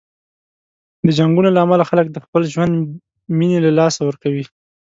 د جنګونو له امله خلک د خپل ژوند مینې له لاسه ورکوي.